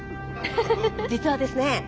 実はですね